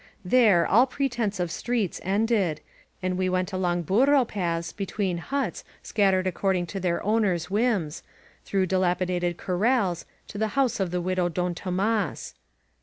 There all pretense of streets ended, and we went along burro paths between huts scattered ac cording to their owners' whims, through dilapidated corrals to the house of the widow of Don Tomas.